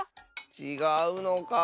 ちがうのか。